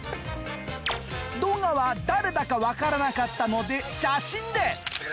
動画は誰だか分からなかったので写真で！